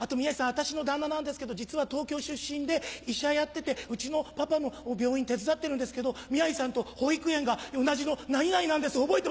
私の旦那なんですけど実は東京出身で医者やっててうちのパパの病院手伝ってるんですけど宮治さんと保育園が同じの何々なんです覚えて」。